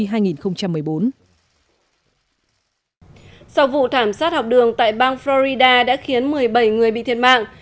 sau vụ thảm sát học đường tại bang florida đã khiến một mươi bảy người bị thiệt mạng